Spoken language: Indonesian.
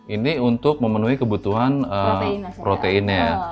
ini untuk memenuhi kebutuhan proteinnya ya